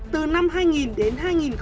từ năm hai nghìn đến hai nghìn một mươi